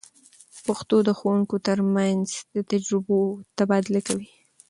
پښتو د ښوونکو تر منځ د تجربو تبادله کوي.